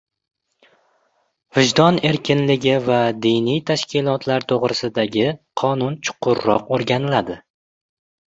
"Vijdon erkinligi va diniy tashkilotlar to‘g‘risida"gi Qonun chuqurroq o‘rganiladi